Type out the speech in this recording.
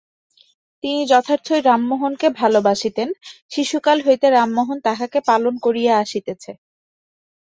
তিনি যথার্থ ই রামমােহনকে ভাল বাসিতেন, শিশুকাল হইতে রামমােহন তাঁহাকে পালন করিয়া আসিতেছে।